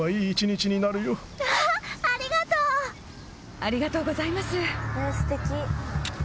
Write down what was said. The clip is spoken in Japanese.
ありがとうございます。